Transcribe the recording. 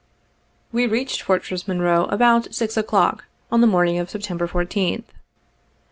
11 I We reached Fortress Monroe about 6 o'clock, on the morning of September 14th.